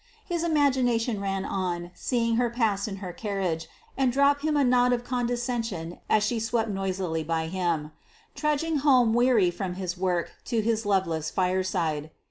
His imagination ran on seeing her pass in her carriage, and drop him a nod of condescension as she swept noisily by him trudging home weary from his work to his loveless fireside.